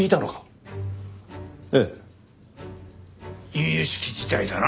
由々しき事態だな。